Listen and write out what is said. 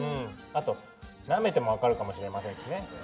あとなめても分かるかもしれませんしね。